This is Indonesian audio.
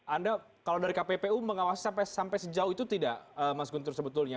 anda kalau dari kppu mengawasi sampai sejauh itu tidak mas guntur sebetulnya